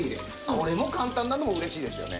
これも簡単なのも嬉しいですよね。